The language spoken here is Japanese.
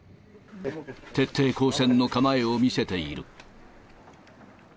徹底抗戦の構えを見せている。